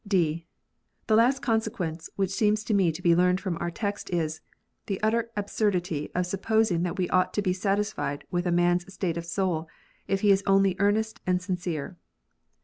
(d) The last consequence which seems to me to be learned from our text is, tlie utter absurdity of supposing that we ought to be satisfied with a man s state of soul, if he is only earnest and sincere.